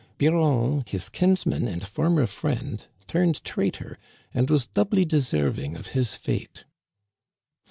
Biron, his kinsman and former friend, turned traitor, and was doubly deserving of his fate."